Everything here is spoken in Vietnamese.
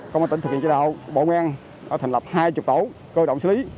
công an tỉnh thực hiện chế độ bộ nguyên thành lập hai mươi tổ cơ động xử lý